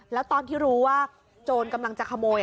แล้วตอนที่รู้ว่าโจรกำลังจะขโมย